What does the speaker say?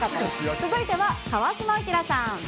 続いては川島明さん。